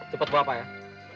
cepat bawa pak